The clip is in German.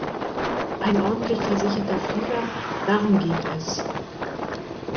Ein ordentlich versicherter Flieger, darum geht es.